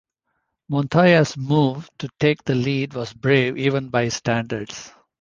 Montoya's move to take the lead was brave even by his standards.